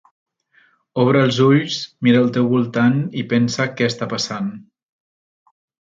Obre els ulls mira al teu voltant i pensa que està passant